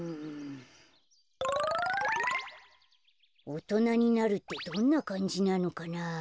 おとなになるってどんなかんじなのかなあ。